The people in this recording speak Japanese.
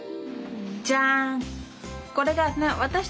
じゃん！